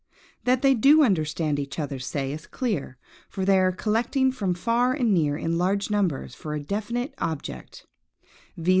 That they do understand each other's say is clear, for they are collecting from far and near in large numbers for a definite object–viz.